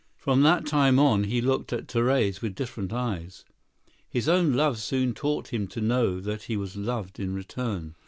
From that time on he looked at Therese with different eyes. His own love soon taught him to know that he was loved in return.